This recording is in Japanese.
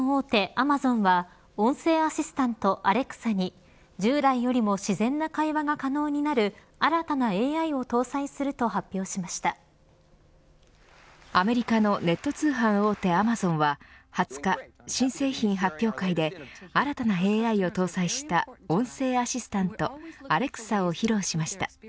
アマゾンは音声アシスタント、アレクサに従来よりも自然な会話が可能になる新たなＡＩを搭載するとアメリカのネット通販大手アマゾンは２０日、新製品発表会で新たなＡＩを搭載した音声アシスタントアレクサを披露しました。